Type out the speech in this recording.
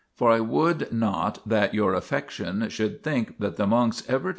For I would not that your affection should think that the monks ever told me 1 Gen. xxix.